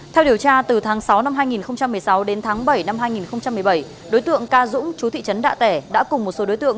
theo điều tra từ tháng sáu năm hai nghìn một mươi sáu đến tháng bảy năm hai nghìn một mươi bảy đối tượng ca dũng chú thị trấn đạ tẻ đã cùng một số đối tượng